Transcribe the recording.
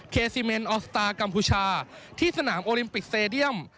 ซีเมนออสตาร์กัมพูชาที่สนามโอลิมปิกสเตดียม